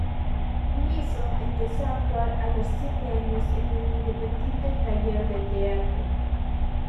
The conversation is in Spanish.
Gleeson empezó a actuar a los siete años en el Independent Theatre Workshop.